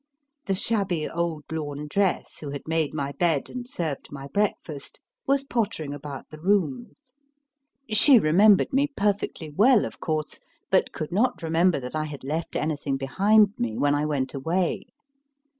The shabby old laundress who had made my bed and served my breakfast was pottering about the rooms. She remembered me perfectly well, of course, but could not remember that I had left any thing behind me when I went away.